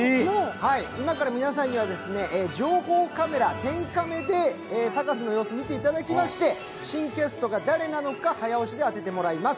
今から皆さんには情報カメラ、天カメでサカスの様子を見ていただきまして新キャストが誰なのか早押しで当てていただきます。